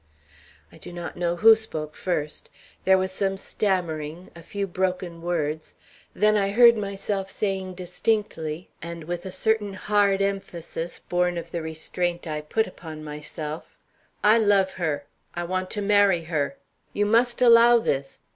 I do not know who spoke first. There was some stammering, a few broken words; then I heard myself saying distinctly, and with a certain hard emphasis born of the restraint I put upon myself: "I love her! I want to marry her. You must allow this.